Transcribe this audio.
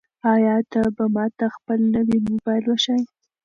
آیا ته به ماته خپل نوی موبایل وښایې؟